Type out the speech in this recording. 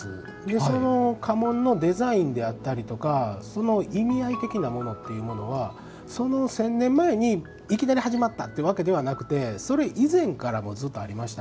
その家紋のデザインであったりその意味合い的なものというのはその１０００年前にいきなり始まったというわけではなくてそれ以前からもずっとありました。